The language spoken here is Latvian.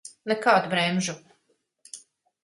Nekādu bremžu.